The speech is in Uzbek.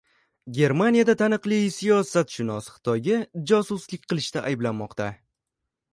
Germaniyada taniqli siyosatshunos Xitoyga josuslik qilishda ayblanmoqda